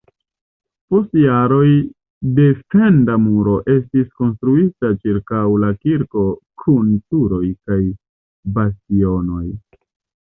Post jaroj defenda muro estis konstruita ĉirkaŭ la kirko kun turoj kaj bastionoj.